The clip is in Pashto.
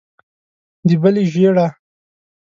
د بلې ژېړه.